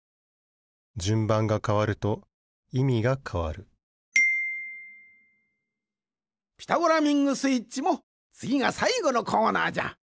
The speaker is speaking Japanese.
じゅんばんがかわるといみがかわる「ピタゴラミングスイッチ」もつぎがさいごのコーナーじゃ。